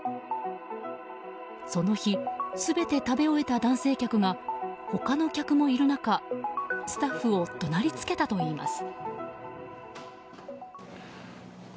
その日、全て食べ終えた男性客が他の客もいる中スタッフを怒鳴りつけたといいます。